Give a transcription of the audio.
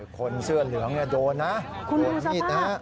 คนเสื้อเหลืองโดนนะ